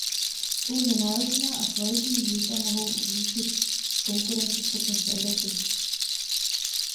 Pouze náročná a kvalitní výuka mohou zvýšit konkurenceschopnost Evropy.